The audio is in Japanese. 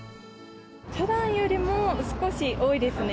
ふだんよりも少し多いですね。